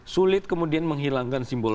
sulit kemudian menghilangkan simbol